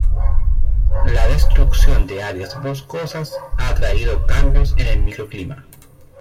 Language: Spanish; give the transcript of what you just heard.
La destrucción de áreas boscosas ha traído cambios en el microclima.